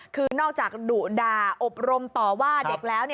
คือนอกจากดุด่าอบรมต่อว่าเด็กแล้ว